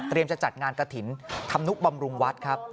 เตรียมจะจัดงานกระถิ่นทำนุกบำรุงวัดครับ